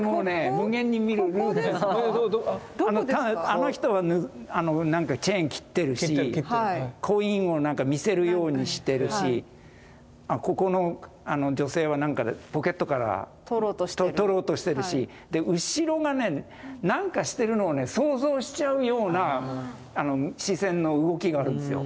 あの人はなんかチェーン切ってるしコインを見せるようにしてるしここの女性はなんかポケットから取ろうとしてるし後ろがね何かしてるのを想像しちゃうような視線の動きがあるんですよ。